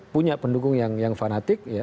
punya pendukung yang fanatik